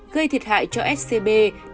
gây thiệt hại cho scb năm trăm một mươi bốn